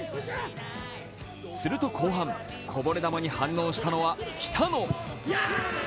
すると後半、こぼれ球に反応したのは北野。